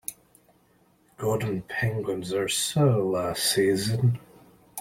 Golden penguins are so last season.